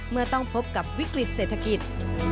เมื่อต้องพบกับวิกฤตเศรษฐกิจ